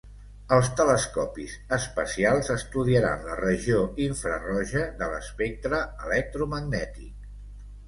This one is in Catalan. Els telescopis espacials estudiaran la regió infraroja de l'espectre electromagnètic.